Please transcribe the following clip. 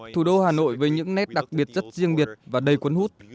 thủ đô hà nội với những nét đặc biệt rất riêng biệt và đầy quấn hút